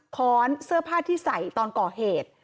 ค้อนเสื้อผ้าที่ใส่ตอนก่อเหตุ